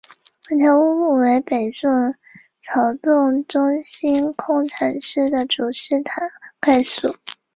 克鲁库姆市是瑞典中部耶姆特兰省的一个自治市。